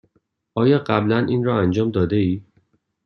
آیا قبلا این را انجام داده ای؟